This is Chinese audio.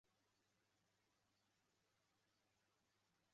该党的总部位于芝加哥。